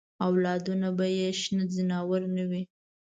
اولادونه به یې شنه ځناور نه وي.